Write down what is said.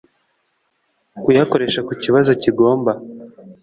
kuyakoresha ku kibazo kigomba